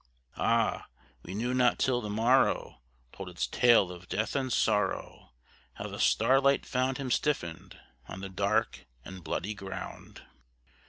Ah, we knew not till the morrow told its tale of death and sorrow, How the starlight found him stiffened on the dark and bloody ground.